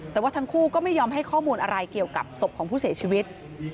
แต่ว่าทั้งคู่ก็ไม่ยอมให้ข้อมูลอะไรเกี่ยวกับศพของผู้เสียชีวิต